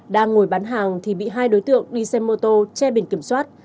đang ngồi bán hàng thì bị hai đối tượng đi xe mô tô che biển kiểm soát